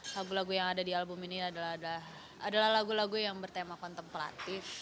lagu lagu yang ada di album ini adalah lagu lagu yang bertema kontemplatif